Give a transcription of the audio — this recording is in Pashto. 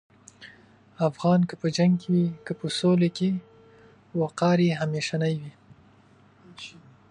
افغان که په جنګ کې وي که په سولې کې، وقار یې همیشنی وي.